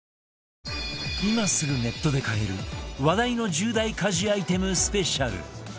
今すぐネットで買える話題の１０大家事アイテムスペシャル